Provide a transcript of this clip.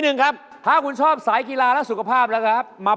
นะครับผม